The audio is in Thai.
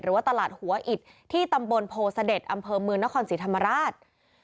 ว่าตลาดหัวอิดที่ตำบลโพเสด็จอำเภอเมืองนครศรีธรรมราช